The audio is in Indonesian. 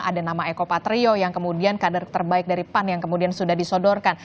ada nama eko patrio yang kemudian kader terbaik dari pan yang kemudian sudah disodorkan